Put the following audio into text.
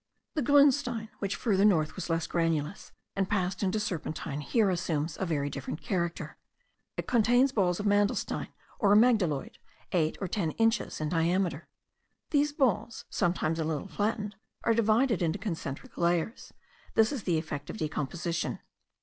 The grunstein, which farther north was less granulous, and passed into serpentine, here assumes a very different character. It contains balls of mandelstein, or amygdaloid, eight or ten inches in diameter. These balls, sometimes a little flattened, are divided into concentric layers: this is the effect of decomposition.